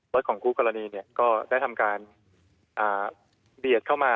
ของคู่กรณีก็ได้ทำการเบียดเข้ามา